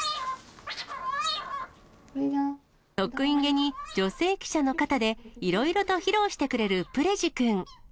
得意げに女性記者の肩で、いろいろと披露してくれるプレジくん。